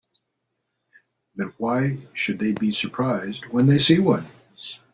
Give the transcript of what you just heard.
Then why should they be surprised when they see one?